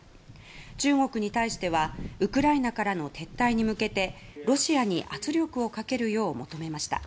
中国に対してはウクライナからの撤退に向けてロシアに圧力をかけるよう求めました。